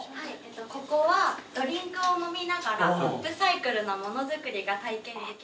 ここはドリンクを飲みながらアップサイクルな物作りが体験できる。